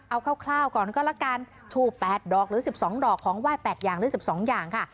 เอาคร่าวก่อนก็ละกันทูบ๘ดอกหรือ๑๒ดอกของไหว้๘อย่างหรือ๑๒อย่างค่ะ